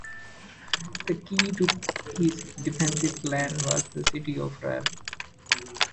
The key to his defensive plan was the city of Raab.